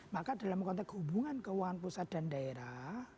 maka dalam konteks hubungan keuangan pusat dan daerah